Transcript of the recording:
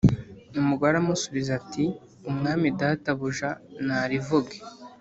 Umugore aramusubiza ati “Umwami databuja narivuge.”